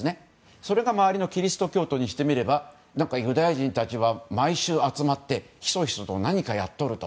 それが周りのキリスト教にしてみればユダヤ人たちは毎週集まってひそひそと何かやっていると。